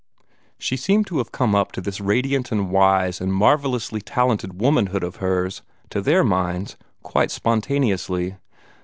She seemed to have come up to this radiant and wise and marvellously talented womanhood of hers, to their minds, quite spontaneously.